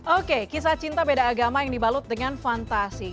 oke kisah cinta beda agama yang dibalut dengan fantasi